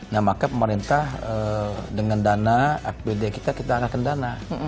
nah maka pemerintah dengan dana apd kita kita akan dana